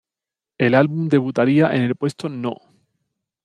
El álbum debutaría en el puesto No.